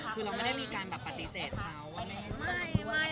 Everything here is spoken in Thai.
คือเราไม่ได้มีการแบบปฏิเสธเขาว่าไม่ให้สัมภาษณ์ด้วย